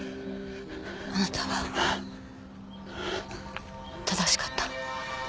あなたは正しかった。